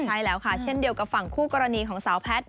ใช่แล้วค่ะเช่นเดียวกับฝั่งคู่กรณีของสาวแพทย์